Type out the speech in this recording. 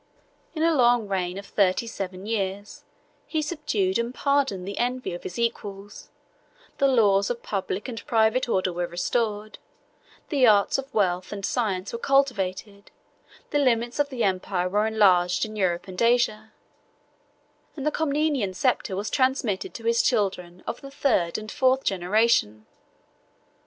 In a long reign of thirty seven years, he subdued and pardoned the envy of his equals: the laws of public and private order were restored: the arts of wealth and science were cultivated: the limits of the empire were enlarged in Europe and Asia; and the Comnenian sceptre was transmitted to his children of the third and fourth generation.